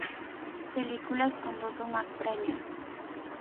Películas con dos o más premios.